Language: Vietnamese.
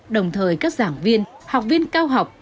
đồng thời các giảng viên học viên cao học